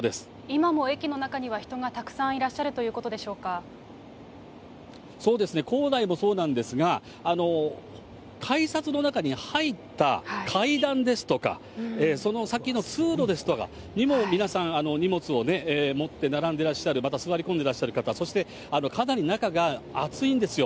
今も駅の中には人がたくさんいらっしゃるということでしょうそうですね、構内もそうなんですが、改札の中に入った階段ですとか、その先の通路ですとかにも皆さん、荷物を持って並んでらっしゃる、また座り込んでらっしゃる方、そしてかなり中が暑いんですよ。